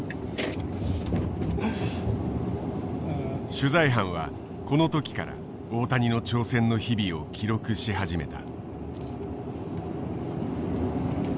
取材班はこの時から大谷の挑戦の日々を記録し始めた。